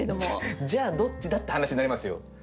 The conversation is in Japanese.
じゃあどっちだって話になりますよ。